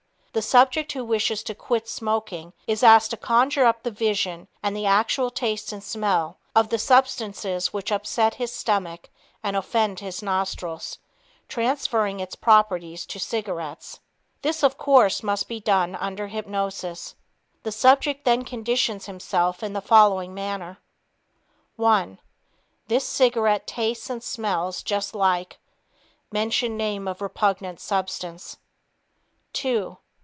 The subject who wishes to quit smoking is asked to conjure up the vision and the actual taste and smell of the substances which upset his stomach and offend his nostrils, transferring its properties to cigarettes. This, of course, must be done under hypnosis. The subject then conditions himself in the following manner: One ... This cigarette tastes and smells just like (mention name of repugnant substance). Two